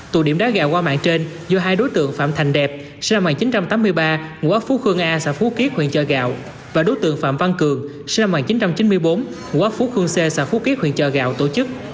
tù điểm đá gà qua mạng trên do hai đối tượng phạm thành đẹp sinh năm một nghìn chín trăm tám mươi ba ngũ ốc phú khương a xã phú kiếp huyện trà gào và đối tượng phạm văn cường sinh năm một nghìn chín trăm chín mươi bốn ngũ ốc phú khương xê xã phú kiếp huyện trà gào tổ chức